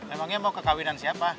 emangnya mau ke kawinan siapa